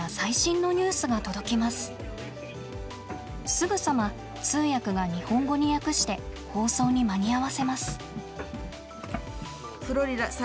すぐさま通訳が日本語に訳して放送に間に合わせます。